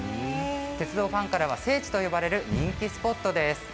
鉄道ファンからは聖地と呼ばれる人気スポットです。